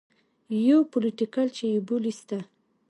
يو پوليټيکل چې يې بولي سته.